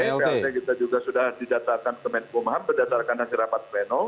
plt kita juga sudah didatakan ke menkumham berdasarkan hasil rapat pleno